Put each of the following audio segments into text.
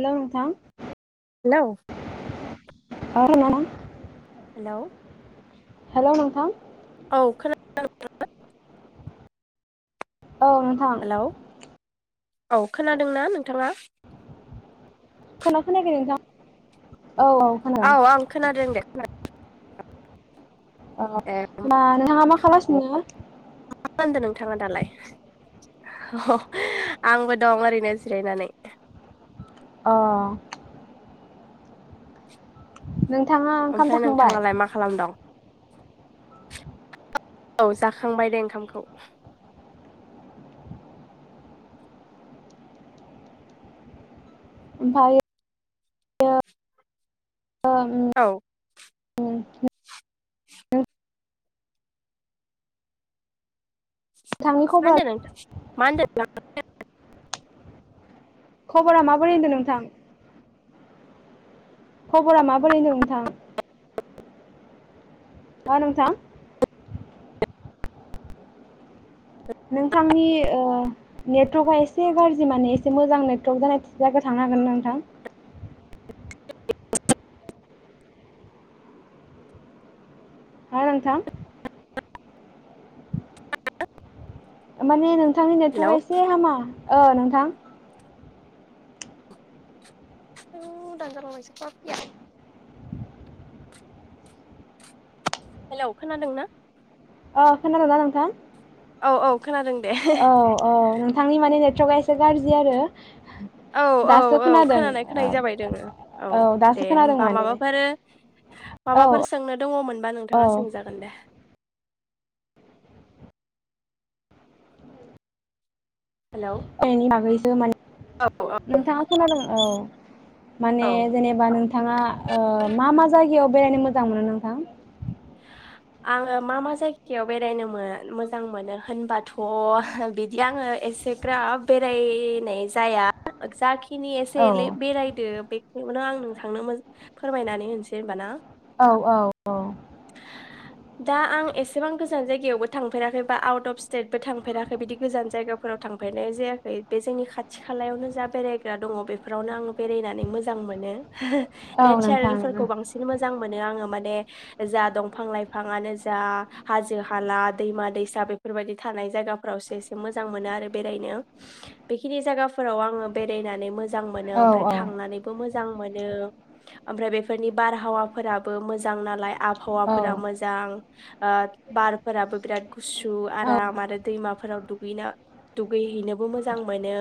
हेल' नोंथां hello [unintelligible] hello hello नोंथां औ खोनादोंना? औ नोंथां। हेलौ औ खोनादोंना नोंथाङा? खोनादोना खोनायाखौ नोंथां? औ खोनादों औ आं खोनादों दे खोनादों। अ ए होमबा नोंथाङा मा खालामसिनो? मा खालामदों नोंथाङा दालाय? आंबो दं ओरैनो जिरायनानै अ नोंथाङा ओंखाम ओमफ्राय जाखांबाय? नोंथाङालाय मा खालामदं [unintelligible] औ जाखांबाय दे ओंखामखौ ओमफाय ओम औ [unintelligible] मा खबरा होनदों नोंथां? [unintelligible] खबरा माबोरै होनदों नोंथां? खबरा माबोरै होनदों नोंथां? हो नोंथां नोंथांनि नेटवर्कआ एसे गाज्रि माने एसे मोजां नेटवर्क जानाय जायायाव थांनो हागोन नोंथां? हा नोंथां माने नोंथांनि नेटथ हेलौ एसे हामा। औ नोंथां [inaudible] हेलौ खोनादों ना? अ खोनादों ना नोंथां? औ औ खोनादों दे औ औ नोंथांनि माने नेटवर्कआ एसे गाज्रि आरो औ औ दासो औ खोनादों खोनानाय ओ खोनानाय जाबाय दोङो औ दासो दे खोनादों होमबा माने माबाफोर औ माबाफोर सोंनो दङमोनबा औ नोंथाङा सोंजागोन दे हेलौ नि बागैसो औ माने औ नोंथाङा खोनादों औ माने औ जेनेबा नोंथाङा मा मा जायगायाव बेरायनो मोजां मोनो नोंथां? आंङो मा मा जायगायाव बेरायनोमोन मोजां मोनो होनबाथ' बिदि आङो एसे ग्राब बेरायनाय जाया जाखा खिनि एसे औ एनै बेरायदो बे बेखौनो आं नों थांनो फोरमायनानै होनोसै होनबाना? औ औ औ दा आं एसेबां गोजान जायगायावबो थांफेराखै बा आउट अफ स्टेटबो थांफेराखै बिदि गोजान जायगाफोराव थांफेरनाय जायाखै बे जोंनि खाथि खालायावनो जा बेरायग्रा दङ बेफोरावनो आं बेरायनानै मोजां मोनो। औ नोंथां नेचारेलफोरखौ बांसिन मोजां मोनो आंङो माने बे जा दंफां लाइफां बिफांनो जा हाजो हाला दैमा दैसा बेफोरबायदि थानाय जायगाफोरावसो एसे मोजां मोनो आरो बेरायनो बेखिनि जायगाफोराव आङो बेरायनानै मोजां मोजां मोनो औ औ ओमफ्राय थांनानैबो मोजां मो ओमफ्राय बेफोरनि बारहावाफोराबो मोजां नालाय औ आबहावाफोरा मोजां ओ बारफोराबो बिराद गुसु आराम आरो दैमा फोराव दुगैना दुगैहैनोबो मोजां मोनो।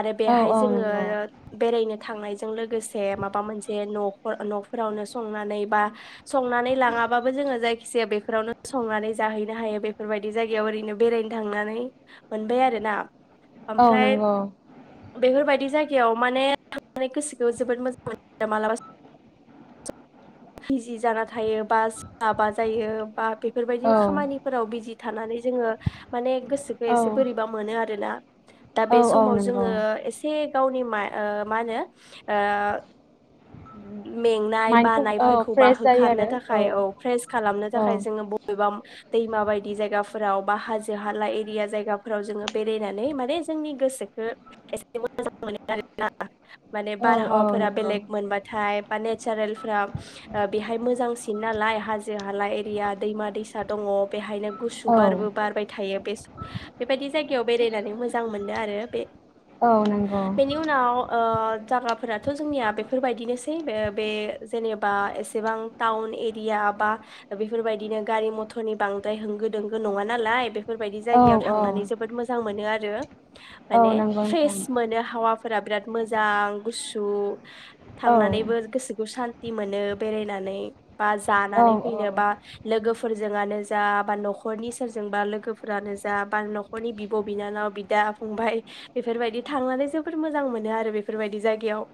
आरो औ बेहाय औ जोङो नंगौ ओ बेरायनो थांनायजों लोगोसे माबा मोनसे न'खर न'फोरावनो संनानै बा संनानै लाङाबाबो जोङो जायखिजाया बेफोरावनो संनानै जाहैनो हायो बेफोरबायदि जायगायाव ओरैनो बेरायनो थांनानै मोनबाय आरोना। औ ओमफ्राय नंगौ बेफोरबाय दि जायगायाव माने थांनानै गोसोखो जोबोद मोजां मोनो मालाबा बिजि जाना थायो बा सोलाबा जायो बा बे औ फोरबायदिनो खामानिफोराव बिजि थानानै जोङो माने गोसोखो औ एसे बोरैबा मोनोआरो ना? दा औ बे औ समाव नंगौ जोङो एसे गावनि माय ओ मा होनो ओ [unintelligible] मेंनाय माइन्डखौ औ बानायफोरखौबा फ्रेस जायो होखारनो आरो थाखाय औ फ्रेस खालामनो औ थाखाय जोङो बबेबा दैमा बायदि जायगाफोराव बा हाजो हाला एरिया जायगाफोराव जोङो बेरायनानै माने जोंनि गोसोखो एसे मोजां मोनो आरोना माने औ औ बारहावाफोरा नंगौ बेलेग मोनबाथाय बा नेचारेलफ्रा ओ बेहाय मोजांसिन नालाय हाजो हाला एरिया दैमा दैसा दङ बेहायनो औ गुसु बारबो बारबाय थायो। [unintelligible] बेबायदि जायगायाव बेरायनानै मोजां मोनो आरो बे औ नोंगौ। बेनि उनाव ओ जागाफोराथ' जोंनिया बे फोरबायदिनोसै बे बे जेनेबा एसेबां टाउन एरिया बा बेफोरबायदिनो गारि मथरनि बांद्राय होंगो दोंगो नङा नालाय बे फोरबायदि औ जायगायाव औ थांनानै जोबोद मोजां मोनो आरो। [unintelligible] औ माने नंगौ फ्रेस नोंथां मोनो हावा फोरा बिराद मोजां गुसु औ थांनानैबो गोसोखौ सान ति मोनो बेरायनानै। बा औ जानानै औ फैनो बा लोगो फोरजोंआनो जा बा न'खरनि सोरजोंबा लोगोफोरानो जा बा न'खरनि बिब' बिनानाव बिदा फंबाय बेफोरबायदि थांनानै जोबोर मोजां मोनोआरो बेफोरबायदि जायगायाव।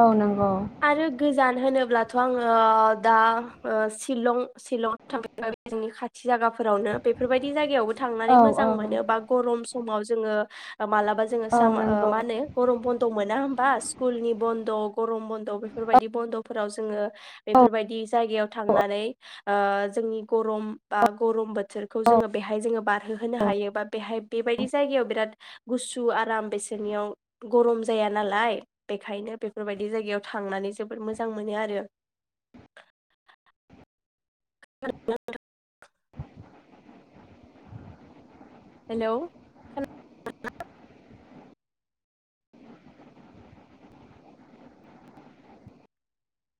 औ नोंगौ। आरो गोजान होनोब्लाथ' आङो दा ओ सिलं सिलं [inaudible] जोंनि खाथि जागाफोरावनो बेफोरबायदि जायगायावबो थांनानै औ औ मोजां मोनो बा गरम समाव जोङो मालाबा जोङो साम औ ओ मा नंगौ होनो गरमफोर मोना होनोमबा स्कुलनि बन्द गरम बन्द' बेफोरबायदि बन्द'फोराव जोङो औ औ बेफोरबायदि जायगायाव थांनानै ओ जोंनि गरम बा गरम बोथोरखौ जोङो बेहाय जोङो बारहोहोनो हायो बा बेहाय बेबायदि जायगायाव बिराद गुसु आराम बेसोरनियाव गरम जाया नालाय बेखायनो बे बेफोरबायदि जायगायाव थांनानै जोबोद मोजां मोनो आरो । [unintelligible] हेलौ [unintelligible]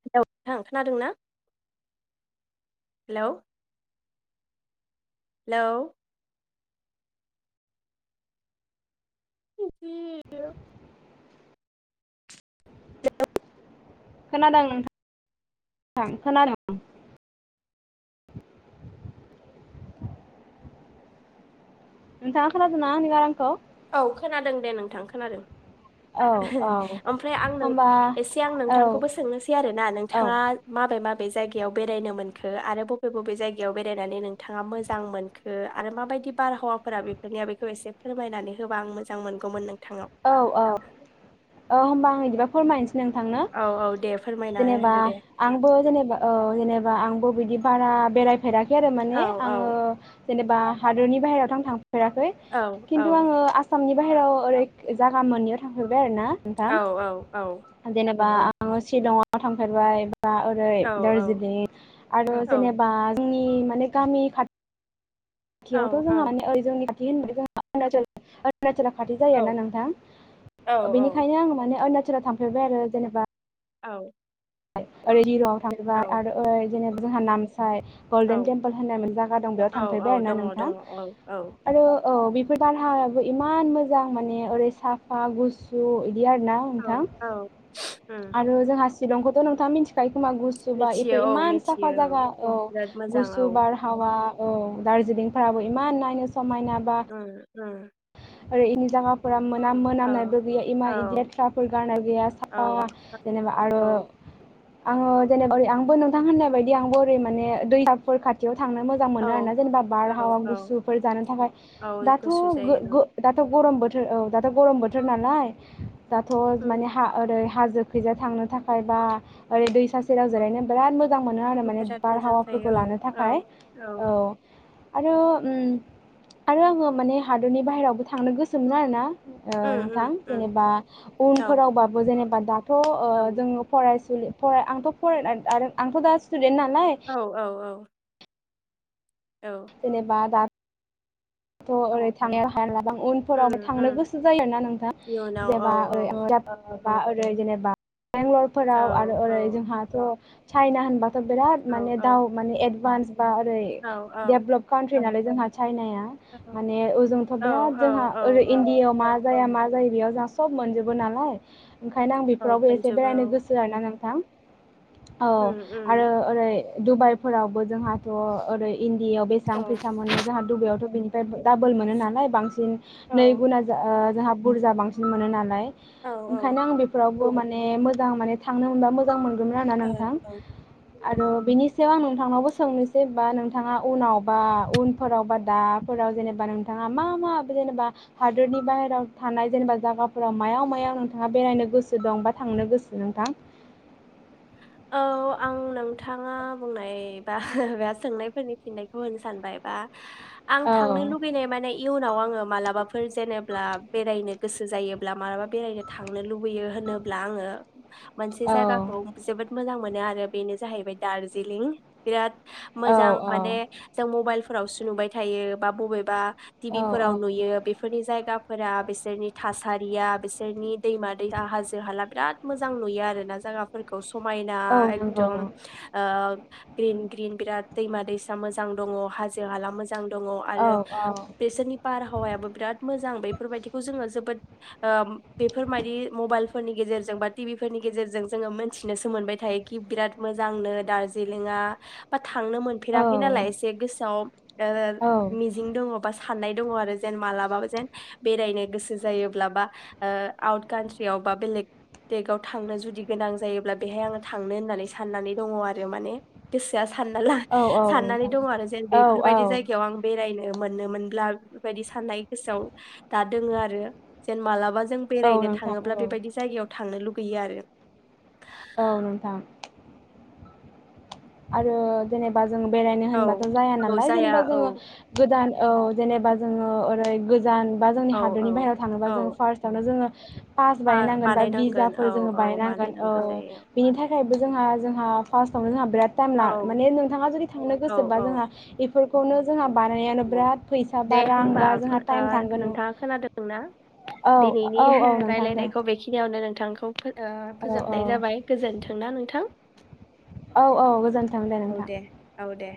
[unintelligible] नोंथां खोनादों ना? हेलौ हेलौ बि [unintelligible] [unintelligible] खोनादों नोंथां खोनादों । नोंथांआ खोनादों ना आंनि गारांखौ? औ खोनादों दे नोंथां खोनादों । औ औ [unintelligible] ओमफ्राय आं नों होमबा एसे आं औ नोंथांखौबो सोंनोसै आरोना औ नोंथाङा माबे माब बबे जायगायाव बेरायनो मोनखो आरो बबे बबे जायगायाव बेरायनानै नोंथाङा मोजां मोनखो आरो माबायदि बारहावाफोरा बेफोरनिया बेखौ एसे फोरमायनानै गोबां मोजां मोनगौमोन नों औ औ औ होमबा आं बिदिबा फोर माइनो नों थांनो औ औ दे फोरमायना जेनेबा होदो दे आंबो जेनेबा औ जेनेबा आंबो बिदि हारा बेराय फेराखै आरो औ माने आङो जेनेबा हादोरनि बाहेरायावथ' आं थां फेराखै औ खिन्थु औ आङो आसामनि बाहेराव ओरै जागा मोननैयाव थांफेरबाय आरो ना? औ औ औ । बा आङो सिलंआव थांफेरबाय बा ओरै औ औ दार्जिलिं आरो औ जेनेबा आंनि माने गामि खाथ औ थियावथ' औ जोंहा माने ओरै जोंनि [unintelligible] अरुणाचला खाथि औ जायो ना नोंथां औ बेनिखायनो आङो माने आरुणा सोरो थांफेरबाय आरो जेनेबा । औ । आरैरिआव [unintelligible] थांबाय आरो ओरै जेनेब जोंहा नाम फाय गल्डेन औ टेम्पोल होननानै मोन जायगा दं बेयाव औ औ थांफेरबाय आरोना दङ नोंथां? दङ औ औ औ बेफोर बारहावायाबो इमान मोजां माने ओरै साफा गुसु इदिआरो ना नोंथां। औ उम आरो जोंहा सिलंखौथ' नोंङा मिथिखायो खोमा? गुसुबा मिथियो इफोर औ इमान साफा मिथियो जागा औ बिराद मोजां औ गुसु बारहावा औ दारजिलिंफोराबो इमान नायनो समायना बा ओ इरै इजागाफोरा मोनाम औ मोनामनायबो गैया इमा औ इदिलेथ्राफोर गारनाय गैया साफा औ जेनेबा औ आरो आङो जेनेबा ओरै आंबो नोंथां होननाय बायदि आंबो ओरै माने दैसाफोर खाथियाव थांनो मोजां मोनो औ आरोना जेनेबा बारहावा औ गुसुफोर जानो थाखाय औ दाथ' गुसु जायो गो औ दाथ' गरम बोथोर औ दाथ' गरम बोथोर नालाय दाथ' उम माने हा ओरै हाजो खैजा थांनो थाखाय बा ओरै दैसा सेराव जिरायनो बिराद मो जां मोनो आरो माने बिराद मोजां बारहावाफोरखौ जायो लानो औ थाखाय। औ आरो ओम आरो आङो माने हा दोरनि बाहेरायावबो थांनो गोसोमोन आरो ना। ओ उम उम नोंथां उम जेनेबा औ उनफोरावबाबो जेनेबा थ' औ ओ जोङो फराय फराय आंथ' फरायला आरो आंथ' दा सिखिल औ औ औ जेनि बा दा थ' ओरै थानो हाला। गोबां उनफोराव उम थांनो उम गोसो जायोना नोंथां? इयुनाव औ जेबा ओ औ ओ बा ओरै जेनेबा औ बेंगालरफोराव आरो ओरै जोंहाथ' सायना होनबा बिराद औ माने औ दाव माने एडभान्स बा ओरै औ औ देभलप कानट्रि नालाय जोंहा चाइनाया। औ माने ओजोंथ' औ बिराद औ जोंहा औ ओरै औ इण्डियायाव मा। जाया मा जायो बेयाव जोंहा सब मोनजोबो नालाय। ओंखायनो आं औ बेफोरावबो एसे मोनजोबो बेरायनो औ गोसो आरोना नोंथां। औ उम आरो उम ओरै। डुबाइफोरावबो जोंहाथ ओरै। इण्डिया औ बेसेबां फैसा मोनो जोंहा दडुबबायावथ। [unintelligible] डाबोल मोनो नालाय बां औ नै गुना [unintelligible] बुरजा बांसिन मोनो नालाय। औ ओंखायनो आं बेफोराव। ओ माने मोजां माने थांनो मोनबा मोजां मोन दोंमोन आरो ना नोंथां। औ औ आरो बिनि सायाव आं नोंथांनावबो सोंनोसैबा नोंथाङा उनावबा उनफोरावबा दा हराव जेनेबा नोंथाङा मा मा जेनेबा हादोरनि बाहेरायाव थानाय जेनेबा जायगाफोराव मायाव मायाव नोंथाङा बेरायनो गोसो दं बा थांनो गोसो नोंथां। औ आं नोंथाङा बुंनाय बा सोंनायफोरनि फिननायखौ होनो सानबाय बा। आं औ थांनो लुबैनाय माने इयुनाव आङो मालाबाफोर जेनेबा बेरायनो। गोसो जायोब्ला मालाबा बेरायनो थांनो लुबैयो होनोब्ला आङो। मोनसे औ जायगाखौ जोबोद। मोजां मोनो आरो बेनो जाहैबाय दार्जिलिं बिराद। औ मोजां माने जों मबाइल। फोरावसो नुबाय थायो बा बबेबा। औ टिभि औ फोराव नुयो बेफोरनि जायगा। फोरा बिसोरनि थासारिया बिसोरनि दैमा [unintelligible] हाजो हाला बिराद मोजां नुयो आरो ना जायगाफोरखौ। समायना औ नंगौ एकदम ओ ग्रिन ग्रिन बिराद। दैमा दैसा मोजां दङ हाजो हाला मोजां। जां दङ औ आरो बेसोरनि बारहावायाबो बिराद मोजां बेफोरबायदिखौ जोङो जोबोद। ओ बेफोरबायदि मबाइलफोरनि गेजेरजों बा टिभि फोरनि गेजेरजों जोङो मोनथि। नोसो मोनबाय थायोखि बिराद मोजांनो दार्जिलिंआ। थांनो औ मोनफेराखै नालाय एसे गोसोआव। ओ‌ औ मिजिं दङबा। [unintelligible] दङ आरो जेन मालाबा जेन बेरायनो गोसो जायोब्ला बा ओ आवत कानट्रियाव बा बेलेक देकआव थांनो जुदि गोनां जायोब्ला बेहाय आङो थांनो होननानै साननानै दङ आरो माने गोसोआ। सानना ला औ औ साननानै नोंथां दङ आरो जेन औ बेफोरबायदि जायगायाव आं बेरायनो। मोनोमोनब्ला बेबायदि साननाय गोसोआव दा दोङो आरो जेन मालाबा जों औ बेरायनो नोंथां थाङोब्ला बेबायदि जायगायाव थांनो लुब गैयो आरो। औ औ नोंथां आरो जेनेबा जों बेरायनो औ होनबाथ' जाया औ नालाय जाया जेबा औ जोङो गोदान औ जेनेबा जोङो ओरै गो जान बा जोंनि औ औ हादोरनि बाहेरायाव थाङोबा औ जोङो फार्स्टआवनो जोङो पास बायनांगोन बा बानायनांगोन भिजाफोर औ जोङो औ बायनांगोन औ बानायनांगौ जायो बिनि थाखाय बो जोंहा जोंहा फास्थावनो जोंहा बिराद टाइम ला औ माने नोंथाङा जुदि थांनो औ गोसोबा औ जोंहा बेफोरखौनो जोंहा बानायनायानो औ बिराद फैसा दे बा रां होमबा बा जोंहा ओ टाइम थांगोन न नोंथाङा खोनादोंना औ औ औ नोंथां दे। थांखौ ओ औ औ फोजोबनाय जाबाय गोजोन्थोंना नोंथां। औ औ गोजोन औ दे औ दे।